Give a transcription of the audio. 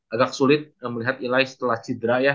agak sulit melihat ilai setelah cedra ya